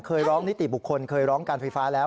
เคยร้องนิติบุคคลเคยร้องการไฟฟ้าแล้ว